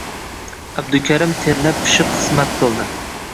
Abdukarim terlab-pishib xizmat qildi